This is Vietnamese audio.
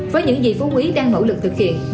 với những gì phú quý đang nỗ lực thực hiện